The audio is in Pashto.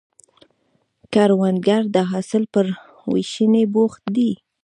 کروندګر د حاصل پر ویشنې بوخت دی